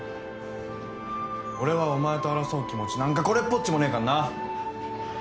俺はお前と争う気持ちなんかこれっぽっちもねえかんな。